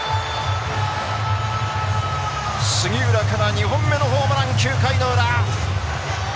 杉浦から２本目のホームラン９回の裏。